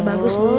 ya bagus bu